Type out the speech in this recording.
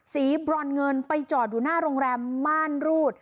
บรอนเงินไปจอดอยู่หน้าโรงแรมม่านรูด